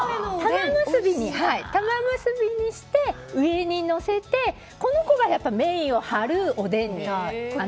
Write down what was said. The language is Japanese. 玉結びにして上にのせてこの子がメインを張るおでんに。